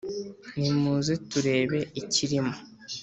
nimuze turebe ikirimo.